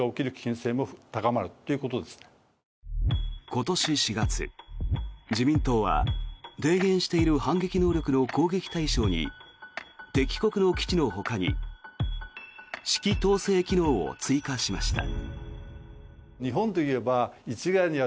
今年４月、自民党は提言している反撃能力の攻撃対象に敵国の基地のほかに指揮統制機能を追加しました。